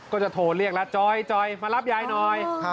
ก็จะโทรเรียกแล้วจอยมารับยายหน่อย